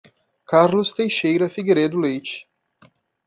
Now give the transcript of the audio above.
Carlos Teixeira Figueiredo Leite